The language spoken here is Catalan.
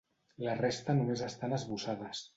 La resta només estan esbossades.